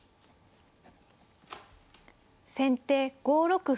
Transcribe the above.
先手５六歩。